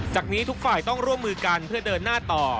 จากนี้ทุกฝ่ายต้องร่วมมือกันเพื่อเดินหน้าต่อ